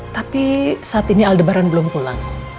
tapi saat ini aldebaran belum pulang